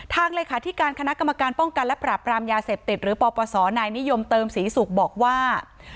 ทางเลยค่ะที่การคณะกรรมการป้องกันและปรับปรามยาเสพติดหรือปปสนายนิยมเติมศรีสุขบอกว่า